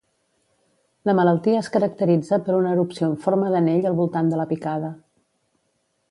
La malaltia es caracteritza per una erupció en forma d'anell al voltant de la picada.